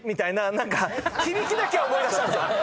何か響きだけは思い出したんすよ。